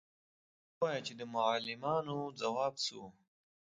_راته ووايه چې د معلمانو ځواب څه و؟